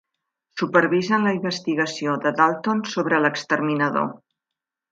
Supervisen la investigació de Dalton sobre l'Exterminador.